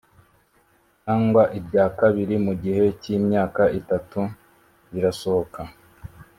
cyangwa irya kabiri mu gihe cy imyaka itatu rirasohoka